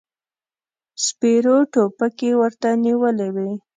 سپرو ټوپکې ورته نيولې وې.